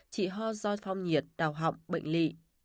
trị ho do phong nhiệt đào họng bệnh lị